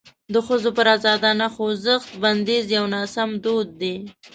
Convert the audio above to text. د ښځو پر ازادانه خوځښت بندیز یو ناسم دود دی.